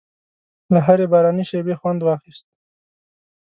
له هرې باراني شېبې خوند واخیست.